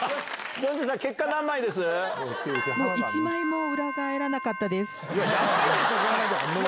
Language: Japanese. もう１枚も裏返らなかったです。